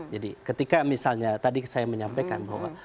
jadi ketika misalnya tadi saya menyampaikan